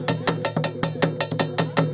yuk kita lihat